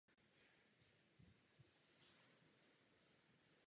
Území metropolitního města je převážně hornaté kromě oblastí kolem vodních toků.